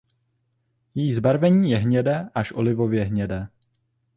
Její zbarvení je hnědé až olivově hnědé.